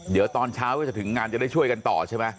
เดี๋ยวตอนเช้าก็จะถึงงานจะได้ช่วยกันต่อใช่ไหม